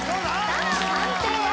さあ判定は？